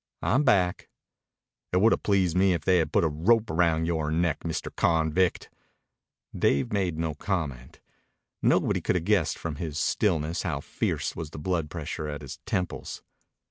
"I'm back." "It would 'a' pleased me if they had put a rope round yore neck, Mr. Convict." Dave made no comment. Nobody could have guessed from his stillness how fierce was the blood pressure at his temples.